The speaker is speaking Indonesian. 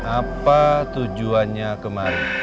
apa tujuannya kemarin